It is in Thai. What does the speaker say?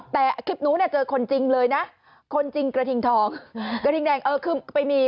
ป้ายแรงติดตาม